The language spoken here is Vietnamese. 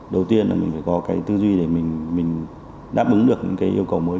đầu tiên là mình phải có cái tư duy để mình đáp ứng được những cái yêu cầu mới